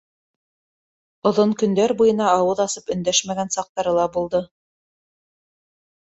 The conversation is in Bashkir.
Оҙон көндәр буйына ауыҙ асып өндәшмәгән саҡтары ла булды.